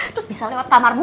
terus bisa lewat kamarmu